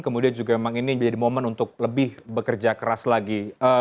kemudian juga memang ini menjadi momen untuk lebih bekerja keras lagi